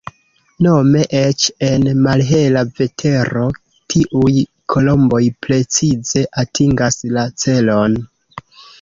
Nome eĉ en malhela vetero tiuj kolomboj precize atingas la celon.